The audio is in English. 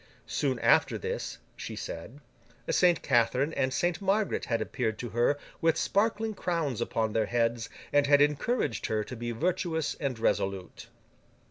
Soon after this (she said), Saint Catherine and Saint Margaret had appeared to her with sparkling crowns upon their heads, and had encouraged her to be virtuous and resolute.